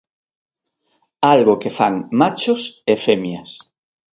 Algo que fan machos e femias.